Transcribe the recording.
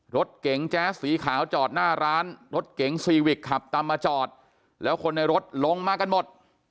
รถเก๋งแจ๊สสีขาวจอดหน้าร้านรถเก๋งซีวิกขับตามมาจอดแล้วคนในรถลงมากันหมด